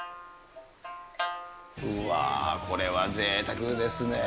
うわー、これはぜいたくですね。